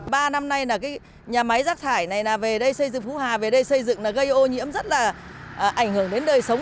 ba năm nay nhà máy rác thải này về đây xây dựng phú hà về đây xây dựng gây ô nhiễm rất là ảnh hưởng đến đời sống